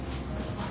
あっ。